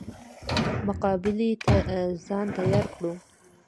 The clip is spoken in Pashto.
مقابلې ته ځان تیار کړو.